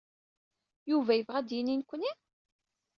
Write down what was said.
Yuba yebɣa ad d-yini nekkni?